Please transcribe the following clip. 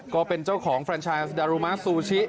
ก็เป็นเจ้าของแฟรนชายดารุมะซูชิ